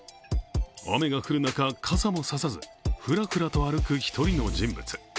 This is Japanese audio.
雨が降る中、傘も差さずふらふらと歩く１人の人物。